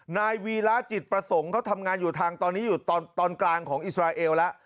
นายวีระจิตประสงค์เขาทำงานอยู่ทางตอนนี้อยู่ตอนกลางของอิสราเอลแล้ว